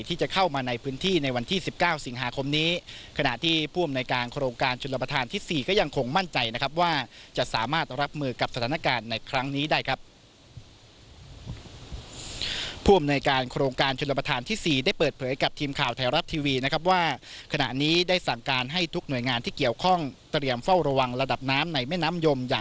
ที่จะเข้ามาในพื้นที่ในวันที่๑๙สิงหาคมนี้ขณะที่ผู้อำนวยการโครงการชนประธานที่๔ก็ยังคงมั่นใจนะครับว่าจะสามารถรับมือกับสถานการณ์ในครั้งนี้ได้ครับผู้อำนวยการโครงการชนประธานที่๔ได้เปิดเผยกับทีมข่าวไทยรับทีวีนะครับว่าขณะนี้ได้สั่งการให้ทุกหน่วยงานที่เกี่ยวข้องเตรียมเฝ้าระวังระดั